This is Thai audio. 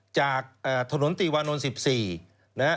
จากถนนตีวานนท์๑๔นะฮะ